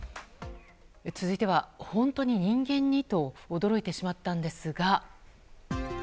続いては、本当に人間に？と驚いてしまったんですが。